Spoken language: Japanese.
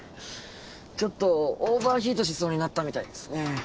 ちょっとオーバーヒートしそうになったみたいですね。